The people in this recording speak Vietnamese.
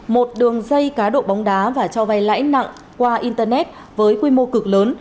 một đường dây cá độ bóng đá và cho vay lãi nặng qua internet với quy mô cực lớn